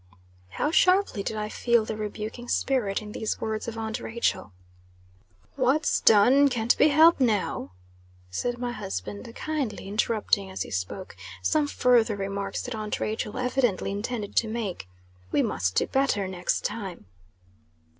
How sharply did I feel the rebuking spirit in these words of aunt Rachel. "What's done can't be helped now," said my husband kindly, interrupting, as he spoke, some further remarks that aunt Rachel evidently intended to make. "We must do better next time."